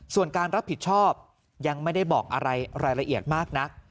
ส่วนการรับผิดชอบยังไม่ได้บอกอะไรรายละเอียดมากนัก